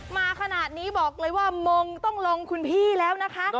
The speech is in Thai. มาขนาดนี้บอกเลยว่ามงต้องลงคุณพี่แล้วนะคะ